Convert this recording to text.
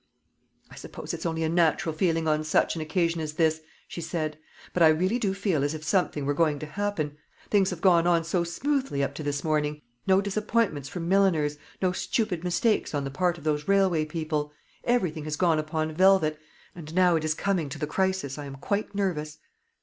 "I suppose it's only a natural feeling on such an occasion as this," she said, "but I really do feel as if something were going to happen. Things have gone on so smoothly up to this morning no disappointments from milliners, no stupid mistakes on the part of those railway people everything has gone upon velvet; and now it is coming to the crisis I am quite nervous."